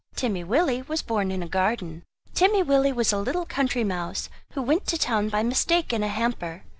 Timmy Willie was born in a garden. Timmy Willie was a little country mouse who went to town by mistake in a hamper.